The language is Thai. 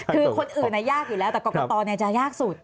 คือคนอื่นยากอยู่แล้วแต่กรกตจะยากสุด